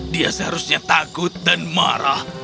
dia seharusnya takut dan marah